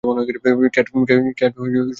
Cat, চুপ করো, cat!